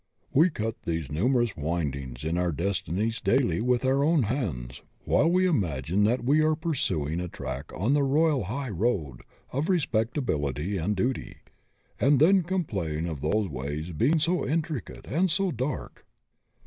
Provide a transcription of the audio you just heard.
. We cut these numerous windings in our destinies daily with our own hands, while we imagine that we are pursuing a track on the royal high road of respectability and duty, and then complain of those ways being so intricate and so dark.